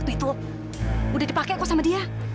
itu udah dipakai kok sama dia